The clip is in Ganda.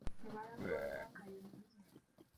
Mubala gwa ba Kayozi.